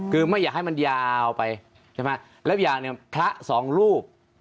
คือไม่อยากให้มันยาวไปใช่ไหมแล้วอย่างหนึ่งพระสองรูป